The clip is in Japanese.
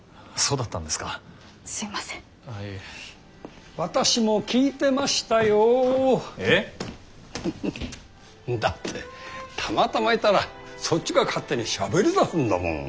だってたまたまいたらそっちが勝手にしゃべりだすんだもん。